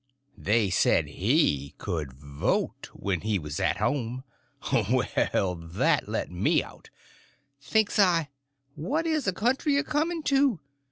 They said he could vote when he was at home. Well, that let me out. Thinks I, what is the country a coming to?